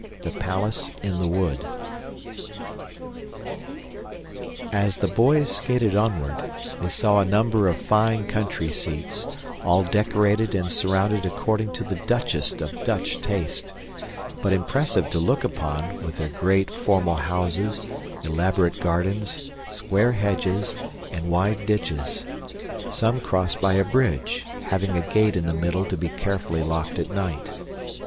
The Palace in the Wood As the boys skated onward, they saw a number of fine country seats, all decorated and surrounded according to the Dutchest of Dutch taste, but impressive to look upon, with their great, formal houses, elaborate gardens, square hedges, and wide ditches some crossed by a bridge, having a gate in the middle to be carefully locked at night.